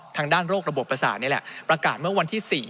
ทางด้านโรคระบบประสาทนี่แหละประกาศเมื่อวันที่๔